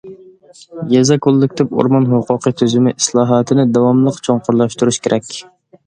يېزا كوللېكتىپ ئورمان ھوقۇقى تۈزۈمى ئىسلاھاتىنى داۋاملىق چوڭقۇرلاشتۇرۇش كېرەك.